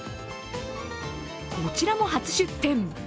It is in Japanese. こちらも初出店。